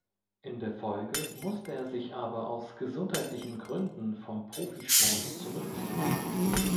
In der Folge musste er sich aber aus gesundheitlichen Gründen vom Profisport zurückziehen.